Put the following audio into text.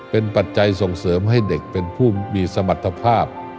เป็นปัจจัยส่งเสริมให้เด็กเป็นผู้มีสมรรถภาพ